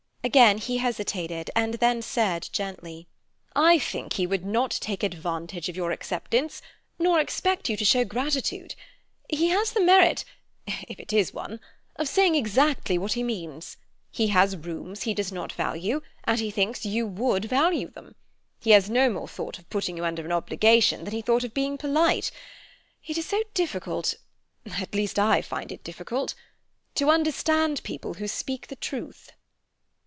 Again he hesitated, and then said gently: "I think he would not take advantage of your acceptance, nor expect you to show gratitude. He has the merit—if it is one—of saying exactly what he means. He has rooms he does not value, and he thinks you would value them. He no more thought of putting you under an obligation than he thought of being polite. It is so difficult—at least, I find it difficult—to understand people who speak the truth."